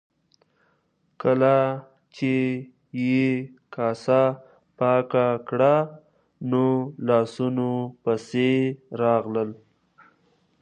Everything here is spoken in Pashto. کله چې یې کاسه پاکه کړه نو لاسونو پسې راغلل.